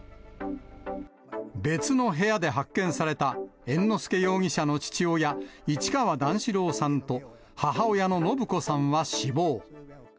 別の部屋で発見された猿之助容疑者の父親、市川段四郎さんと、母親の延子さんは死亡。